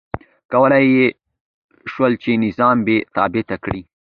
کولای یې شول چې نظام بې ثباته کړي.